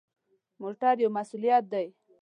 موټر یو مسؤلیت دی.